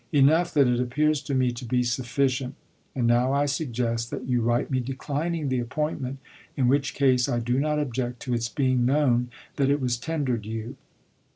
Enough that it appears to me to be sufficient. And now I suggest that you write me declining the appointment, in which case I do not object to its being known that it was tendered you.